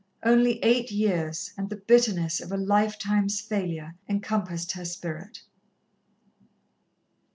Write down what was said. Only eight years, and the bitterness of a lifetime's failure encompassed her spirit.